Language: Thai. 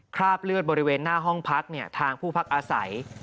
คราบเลือดบริเวณหน้าห้องพักทางผู้พักอาศัย